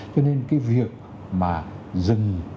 cho nên cái việc mà dừng